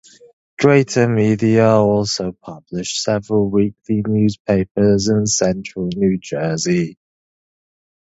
Greater Media also published several weekly newspapers in Central New Jersey.